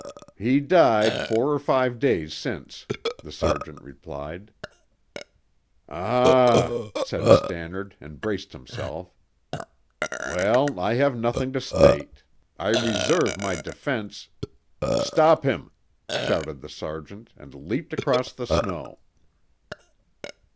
"He died four or five days since," the sergeant replied. "Ah!" said Stannard, and braced himself. "Well, I have nothing to state. I reserve my defense " "Stop him!" shouted the sergeant, and leaped across the snow.